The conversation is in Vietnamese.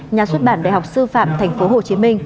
nhà xuất bản đại học sư phạm tp hcm